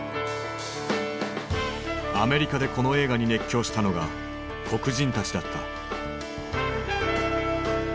アメリカでこの映画に熱狂したのが黒人たちだった。